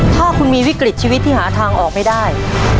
ถ้าคุณมีวิกฤตชีวิตที่หาทางออกไม่ได้